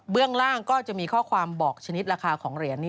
เรื่องล่างก็จะมีข้อความบอกชนิดราคาของเหรียญนี้